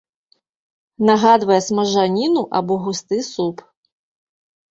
Нагадвае смажаніну або густы суп.